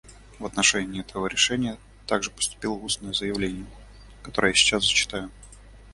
В отношении этого решения также поступило устное заявление, которое я сейчас зачитаю.